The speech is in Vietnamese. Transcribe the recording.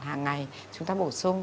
hàng ngày chúng ta bổ sung